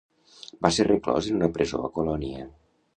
Va ser reclòs en una presó a Colònia.